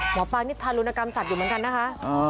ปางนี่ทารุณกรรมสัตว์อยู่เหมือนกันนะคะ